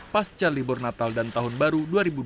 pasca libur natal dan tahun baru dua ribu dua puluh